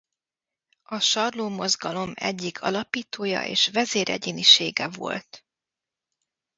A Sarló mozgalom egyik alapítója és vezéregyénisége volt.